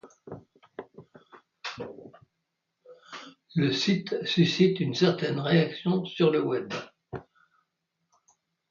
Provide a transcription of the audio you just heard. Le site suscite une certaine réaction sur le web.